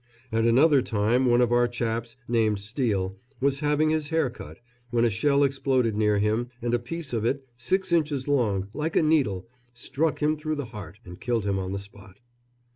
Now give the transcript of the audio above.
At another time one of our chaps, named Steel, was having his hair cut, when a shell exploded near him and a piece of it, six inches long, like a needle, struck him through the heart and killed him on the spot.